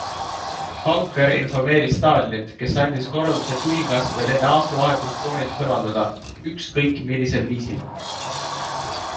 Pauker informeeris Stalinit, kes andis korralduse kuningas veel enne aastavahetust troonilt kõrvaldada, ükskõik millisel viisil.